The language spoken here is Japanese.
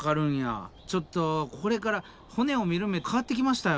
ちょっとこれから骨を見る目変わってきましたよ